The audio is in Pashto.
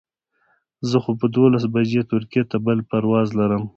زه خو په دولس بجو ترکیې ته بل پرواز لرم.